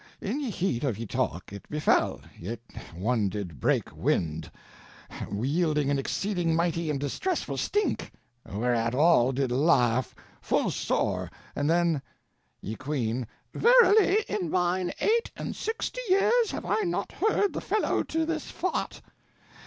In ye heat of ye talk it befel yt one did breake wind, yielding an exceding mightie and distresfull stink, whereat all did laugh full sore, and then Ye Queene. Verily in mine eight and sixty yeres have I not heard the fellow to this fart.